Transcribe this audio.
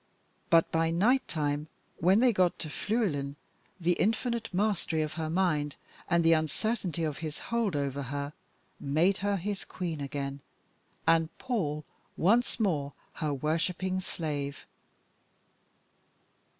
But by night time, when they got to Flüelen, the infinite mastery of her mind, and the uncertainty of his hold over her, made her his Queen again, and Paul once more her worshipping slave.